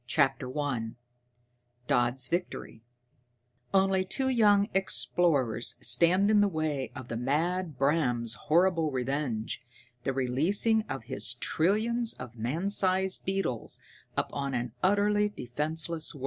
_] [Sidenote: Only two young explorers stand in the way of the mad Bram's horrible revenge the releasing of his trillions of man sized beetles upon an utterly defenseless world.